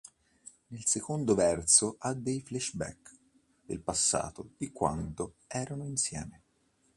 Nel secondo verso ha dei flashback del passato di quando erano insieme.